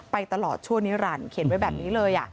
ไปตลอดชั่วนิรันดิเขียนไว้แบบนี้เลย